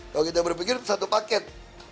kalau kita berpikir satu paket